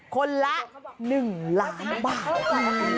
คนละ๑ล้านบาท